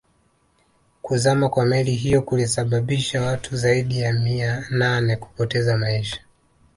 Kuzama kwa meli hiyo kulisababisha watu zaidi ya mia nane kupoteza maisha